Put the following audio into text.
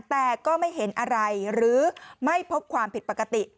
แต่ก็ไม่เห็นอะไรหรือไม่พบความผิดปกติ